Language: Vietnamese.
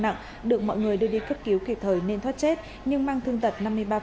nặng được mọi người đưa đi cấp cứu kịp thời nên thoát chết nhưng mang thương tật năm mươi ba